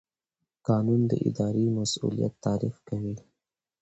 قانون د اداري مسوولیت تعریف کوي.